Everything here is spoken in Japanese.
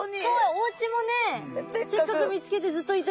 おうちもねせっかく見つけてずっといた家なのに。